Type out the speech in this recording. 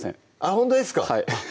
ほんとですか？